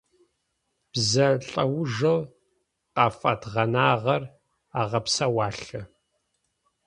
Бзэ лӏэужэу къафэдгъэнагъэр агъэпсэуалъа?